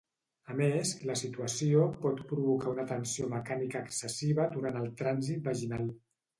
A més, la situació pot provocar una tensió mecànica excessiva durant el trànsit vaginal.